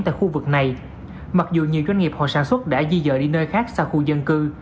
tại khu vực này mặc dù nhiều doanh nghiệp họ sản xuất đã di dời đi nơi khác xa khu dân cư